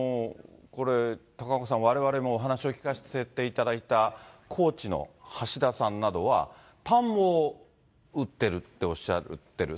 これ、高岡さん、われわれもお話を聞かせていただいた高知のはしださんなどは、田んぼを打ってるっておっしゃってる。